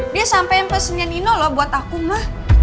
dia sampein pesennya nino loh buat aku ma